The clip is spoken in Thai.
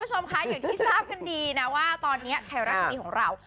คุณผู้ชมคะอย่างที่ทราบกันดีนะว่าตอนนี้ไทยรัฐทีวีของเรา